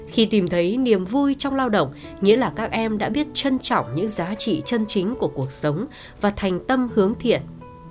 khi tìm thấy niềm vui trong lao động nghĩa là các em đã biết trân trọng những giá trị chân chính của cuộc sống và thành tâm hướng thiện